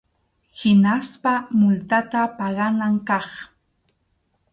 Hinaspa multata paganan kaq.